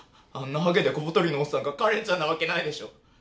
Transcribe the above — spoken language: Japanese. あんなハゲで小太りのおっさんがカレンちゃんなわけないでしょ。